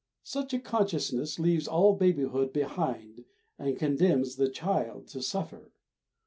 Such a consciousness leaves all babyhood behind and condemns the child to suffer.